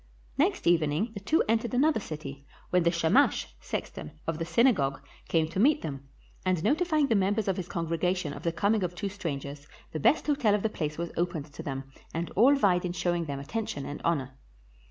Next evening the two entered another city, when the 576 STORIES FROM THE TALMUD Shamas (sexton) of the synagogue came to meet them, and notifying the members of his congregation of the coming of two strangers, the best hotel of the place was opened to them, and all vied in showing them attention and honor.